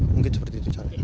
mungkin seperti itu